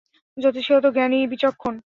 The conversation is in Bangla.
জ্যোতিষী হত জ্ঞানী-বিচক্ষণ।